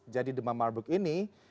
jadi demam marburg ini